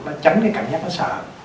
nó tránh cái cảm giác nó sợ